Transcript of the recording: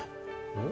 うん？